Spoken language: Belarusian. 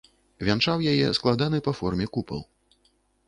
Вянчаў яе складаны па форме купал.